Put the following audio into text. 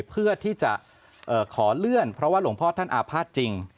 เพื่อที่จะขอเลื่อนเพราะว่าหลวงพ่อท่านอาภาษณ์จริง